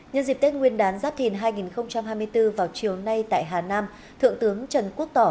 nhân dịp tết nguyên đán giáp thìn hai nghìn hai mươi bốn vào chiều nay tại hà nam thượng tướng trần quốc tỏ